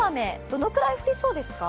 どれぐらい降りそうですか。